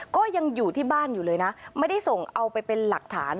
ก็ยังอยู่ที่บ้านอยู่เลยนะไม่ได้ส่งเอาไปเป็นหลักฐาน